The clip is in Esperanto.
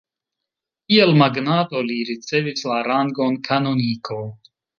Kiel magnato, li ricevis la rangon kanoniko.